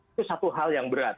itu satu hal yang berat